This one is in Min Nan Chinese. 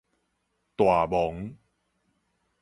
大雺